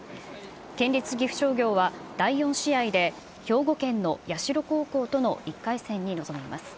県立岐阜商業は第４試合で、兵庫県の社高校との１回線に臨みます。